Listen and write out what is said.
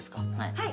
はい。